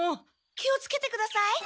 気をつけてください。